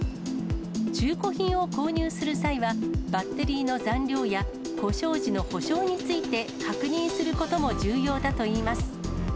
中古品を購入する際は、バッテリーの残量や故障時の保証について、確認することも重要だといいます。